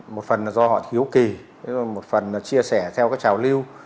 một phần do họ thiếu kỳ một phần chia sẻ theo trào lưu